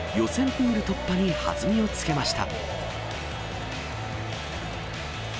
プール突破に弾みをつけました。